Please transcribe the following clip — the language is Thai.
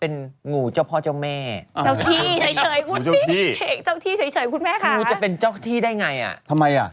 งูจะเป็นเจ้าที่ได้ไงอ่ะทำไมอ่ะ